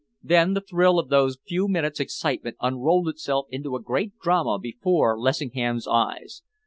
Then the thrill of those few minutes' excitement unrolled itself into a great drama before Lessingham's eyes.